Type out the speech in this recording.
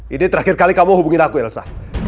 ini terakhir kali kamu hubungin aku elsa